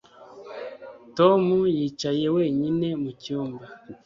Tom yicaye wenyine mu cyumba